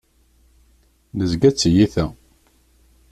Nezga d tiyita.